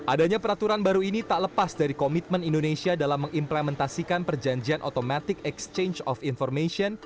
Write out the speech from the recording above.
adanya peraturan baru ini tak lepas dari komitmen indonesia dalam mengimplementasikan perjanjian automatic exchange of information